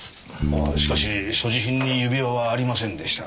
ああしかし所持品に指輪はありませんでした。